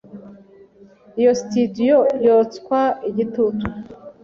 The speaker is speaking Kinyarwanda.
Iyo studio yotswa igitutu